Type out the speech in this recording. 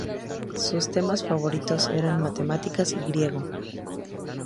Sus temas favoritos eran matemáticas y griego.